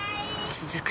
続く